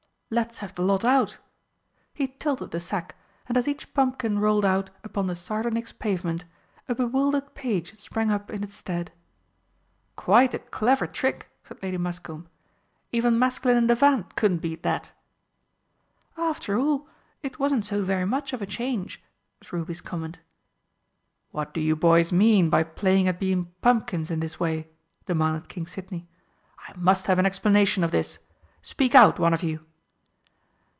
"Let's have the lot out." He tilted the sack, and as each pumpkin rolled out upon the sardonyx pavement, a bewildered page sprang up in its stead. "Quite a clever trick!" said Lady Muscombe. "Even Maskelyne and Devant couldn't beat that!" "After all, it wasn't so very much of a change!" was Ruby's comment. "What do you boys mean by playing at being pumpkins in this way?" demanded King Sidney. "I must have an explanation of this. Speak out, one of you!"